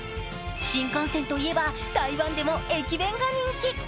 新幹線といえば台湾でも駅弁が人気。